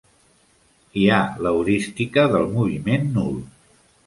Hi ha l'heurística del moviment nul.